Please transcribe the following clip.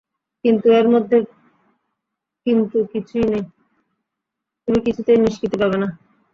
কিন্তু– এর মধ্যে কিন্তু কিছুই নেই–তুমি কিছুতেই নিষ্কৃতি পাবে না।